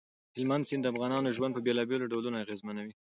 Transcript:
هلمند سیند د افغانانو ژوند په بېلابېلو ډولونو اغېزمنوي.